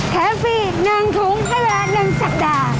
แท้ฟรี๑ถุงก็ว่าละ๑สัปดาห์